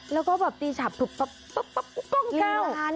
แล้วก็ตีฉับตุ๊บโป๊บโกล้งเท้า